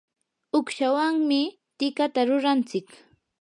uqshawanmi tikata rurantsik.